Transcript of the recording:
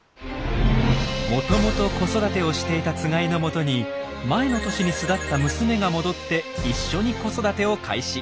もともと子育てをしていたつがいのもとに前の年に巣立った娘が戻って一緒に子育てを開始。